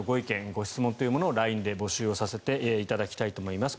・ご質問をＬＩＮＥで募集させていただきたいと思います。